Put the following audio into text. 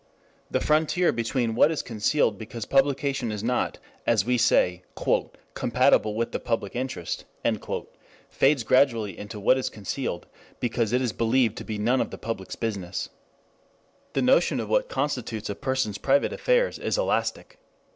The frontier between what is concealed because publication is not, as we say, "compatible with the public interest" fades gradually into what is concealed because it is believed to be none of the public's business. The notion of what constitutes a person's private affairs is elastic.